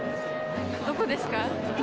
どこですか？